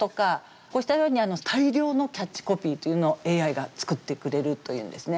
こうしたように大量のキャッチコピーっていうのをＡＩが作ってくれるというんですね。